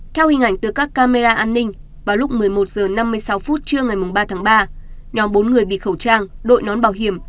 theo hình ảnh từ các camera an ninh vào lúc một mươi một h năm mươi sáu phút trưa ngày ba tháng ba nhóm bốn người bị khẩu trang đội nón bảo hiểm